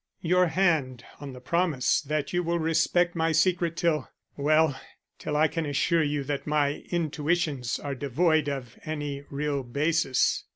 Your hand on the promise that you will respect my secret till well, till I can assure you that my intuitions are devoid of any real basis."